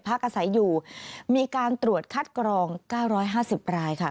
อาศัยอยู่มีการตรวจคัดกรอง๙๕๐รายค่ะ